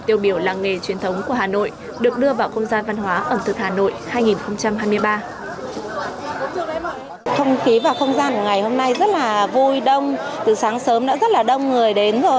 tiêu biểu làng nghề truyền thống của hà nội được đưa vào không gian văn hóa ẩm thực hà nội hai nghìn hai mươi ba